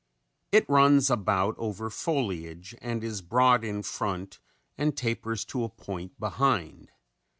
It runs about over foliage and is broad in front and tapers to a point behind.